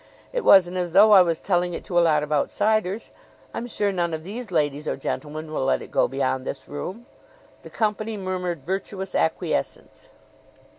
It wasn't as though I was telling it to a lot of outsiders. I'm sure none of these ladies or gentlemen will let it go beyond this room?" The company murmured virtuous acquiescence.